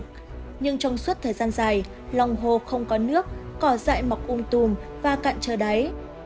nhưng trong suốt thời gian dài lòng hồ không có nước cỏ dại mọc ung tùm và cạn trơ đáy